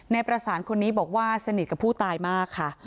ในประสานคนนี้บอกว่าสนิทกับผู้ตายมากค่ะ